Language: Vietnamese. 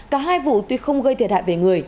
cả hai vụ tuy không gây thiệt hại về người